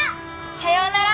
さようなら！